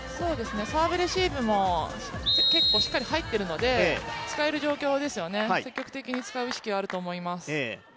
サーブレシーブも結構しっかり入っているので、使える状況ですよね、積極的に使う意識はあると思います。